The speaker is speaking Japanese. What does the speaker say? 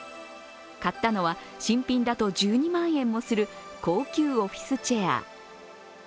買ったのは新品だと１２万円もする高級オフィスチェア。